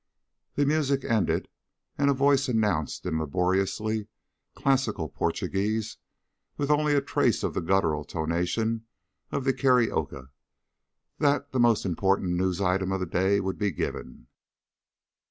The music ended, and a voice announced in laboriously classic Portuguese, with only a trace of the guttural tonation of the carioca, that the most important news items of the day would be given.